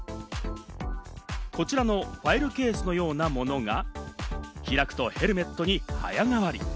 こちらのファイルケースのようなものが、開くとヘルメットに早変わり。